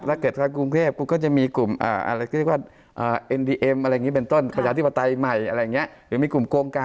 แล้วเกิดภาคกรุงเทพก็จะมีกลุ่มอะไรที่เรียกว่า